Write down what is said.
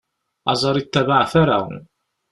Aẓar ittabaɛ tara.